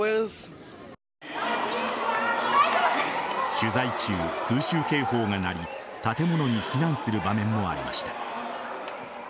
取材中、空襲警報が鳴り建物に避難する場面もありました。